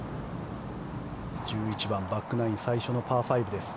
１１番、バックナイン最初のパー５です。